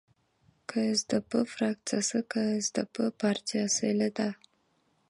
КСДП фракциясы — КСДП партиясы эле да.